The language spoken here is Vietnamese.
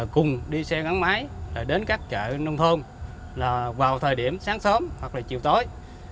cùng đi xe gắn máy đến các chợ nông thôn vào thời điểm sáng sớm hoặc chiều tối